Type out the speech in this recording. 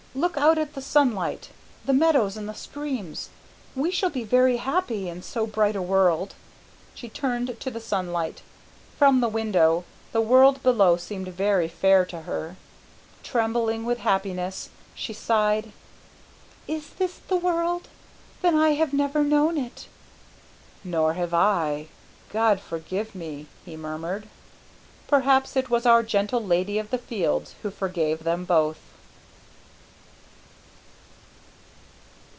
Look, look out at the sunlight, the meadows and the streams. We shall be very happy in so bright a world." She turned to the sunlight. From the window, the world below seemed very fair to her. Trembling with happiness, she sighed: "Is this the world? Then I have never known it." "Nor have I, God forgive me," he murmured. Perhaps it was our gentle Lady of the Fields who forgave them both.